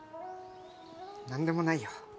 なんでもないよ。